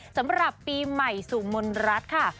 สำหรับปีใหม่สู่มนรัฐค่ะ